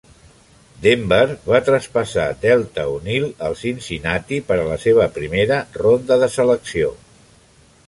Denver va traspassar Deltha O'Neal al Cincinnati per a la primera ronda de selecció.